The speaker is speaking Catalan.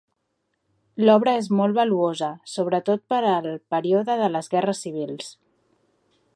L'obra és molt valuosa, sobretot per al període de les guerres civils.